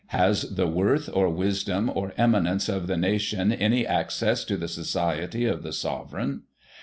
Has the worth, or wisdom, or eminence of the nation any access to the society of the Sovereign